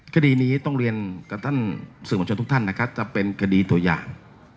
คดีนี้ต้องเรียนกับสื่อมันชนทุกท่านจะเป็นคดีตัวอย่าง